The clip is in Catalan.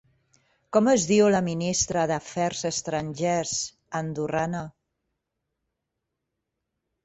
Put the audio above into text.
Com es diu la ministra d'Afers Estrangers andorrana?